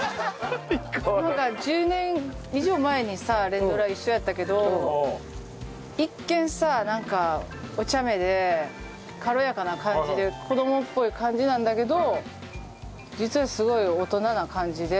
なんか１０年以上前にさ連ドラ一緒やったけど一見さなんかおちゃめで軽やかな感じで子供っぽい感じなんだけど実はすごい大人な感じで。